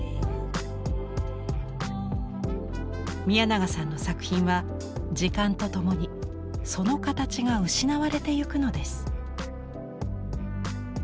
宮永さんの作品は時間とともにその形が失われていくのです。